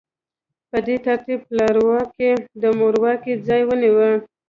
په دې ترتیب پلارواکۍ د مورواکۍ ځای ونیو.